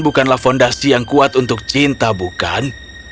bukanlah fondasi yang kuat untuk cinta bukan